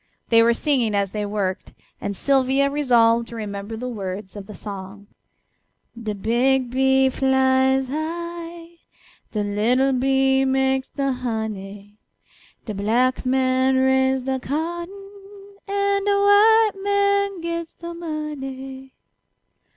They were singing as they worked, and Sylvia resolved to remember the words of the song: "De big bee flies high, De little bee makes de honey, De black man raise de cotton, An' de white man gets de money."